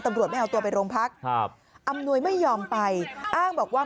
ตำรวจไม่เอาตัวไปโรงพักครับอำนวยไม่ยอมไปอ้างบอกว่า